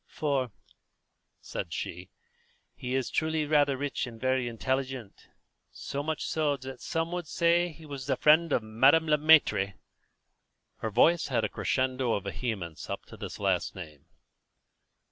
"For," said she, "he is truly rather rich and very intelligent; so much so that some would even say that he was the friend of Madame Le Maître." Her voice had a crescendo of vehemence up to this last name.